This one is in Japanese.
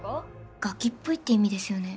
ガキっぽいって意味ですよね？